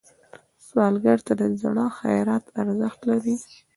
سوالګر ته د زړه خیر ارزښت لري